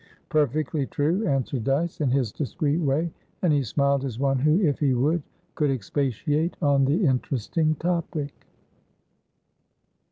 Perfectly true, answered Dyce, in his discreet way; and he smiled as one who, if he would, could expatiate on the interesting topic.